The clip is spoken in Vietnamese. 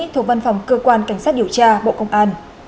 thuộc văn phòng cơ quan cảnh sát điều tra bộ công an